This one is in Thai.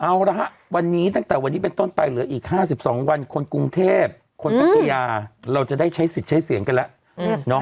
เอาละฮะวันนี้ตั้งแต่วันนี้เป็นต้นไปเหลืออีก๕๒วันคนกรุงเทพคนพัทยาเราจะได้ใช้สิทธิ์ใช้เสียงกันแล้ว